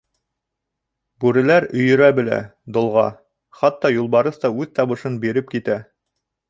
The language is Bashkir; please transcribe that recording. Бүреләр өйөрө белә: долға... хатта юлбарыҫ үҙ табышын биреп китә.